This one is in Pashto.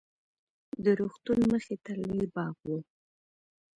د روغتون مخې ته لوى باغ و.